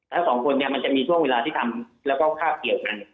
แล้วสองคนเนี่ยมันจะมีช่วงเวลาที่ทำแล้วก็คาบเกี่ยวกัน